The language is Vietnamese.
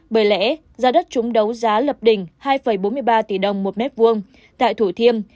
bởi lẽ giá đất chúng đấu giá lập đỉnh hai bốn mươi ba tỷ đồng một mét vuông tại thủ thiêm